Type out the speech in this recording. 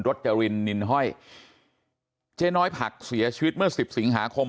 จรินนินห้อยเจ๊น้อยผักเสียชีวิตเมื่อสิบสิงหาคม